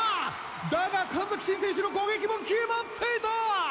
だが神崎シン選手の攻撃も決まっていた！